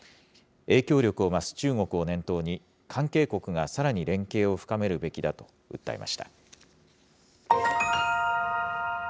影響力を増す中国を念頭に、関係国がさらに連携を深めるべきだと訴えました。